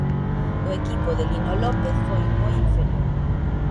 O equipo de Lino López foi moi inferior.